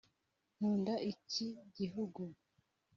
nkunda iki gihugu